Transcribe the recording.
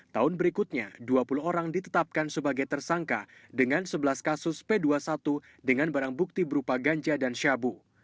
tahun berikutnya dua puluh orang ditetapkan sebagai tersangka dengan sebelas kasus p dua puluh satu dengan barang bukti berupa ganja dan syabu